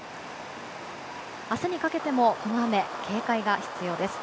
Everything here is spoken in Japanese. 明日にかけてもこの雨、警戒が必要です。